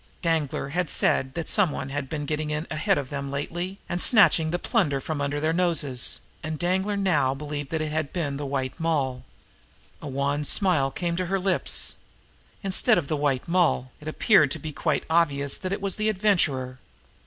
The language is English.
Danglar had said that some one had been getting in ahead of them lately and snatching the plunder from under their noses; and Danglar now believed that it had been the White Moll. A wan smile came to her lips. Instead of the White Moll, it appeared to be quite obvious that it was the Adventurer.